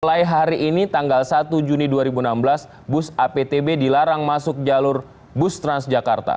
mulai hari ini tanggal satu juni dua ribu enam belas bus aptb dilarang masuk jalur bus transjakarta